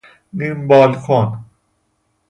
نیم بالکن